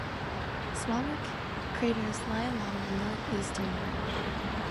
Smaller craters lie along the northeastern rim.